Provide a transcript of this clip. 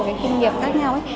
một cái kinh nghiệm khác nhau ấy